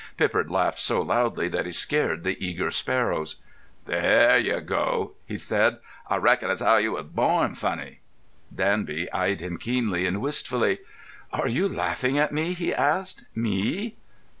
Pippard laughed so loudly that he scared the eager sparrows. "There you go," he said. "Ah reckon as 'ow you was born funny." Danby eyed him keenly and wistfully. "Are you laughing at me?" he asked. "_Me?